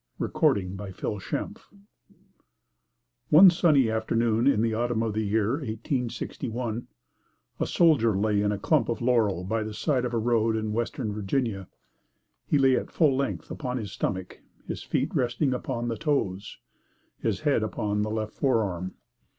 A HORSEMAN IN THE SKY One sunny afternoon in the autumn of the year 1861, a soldier lay in a clump of laurel by the side of a road in Western Virginia. He lay at full length, upon his stomach, his feet resting upon the toes, his head upon the left forearm.